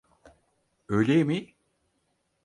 Öğle yemeği?